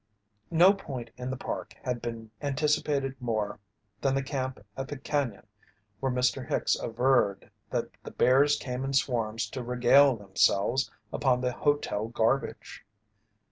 No point in the Park had been anticipated more than the camp at the Cañon where Mr. Hicks averred that the bears came in swarms to regale themselves upon the hotel garbage.